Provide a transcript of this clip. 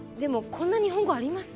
こんな日本語あります？